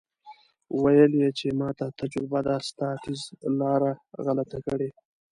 ویل یې چې ماته تجربه ده ستا ټیز لاره غلطه کړې.